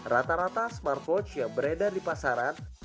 rata rata smartwatch yang beredar di pasaran